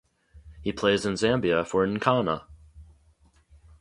He plays in Zambia for Nkana.